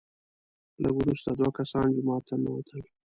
لږ وروسته دوه کسان جومات ته ننوتل،